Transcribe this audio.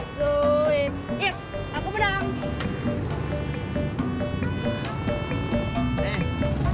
sweet yes aku menang